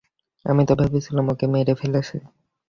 আমি তো ভেবেছিলাম ওকে মেরে ফেলেছি।